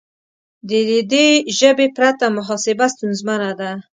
د دې ژبې پرته محاسبه ستونزمنه ده.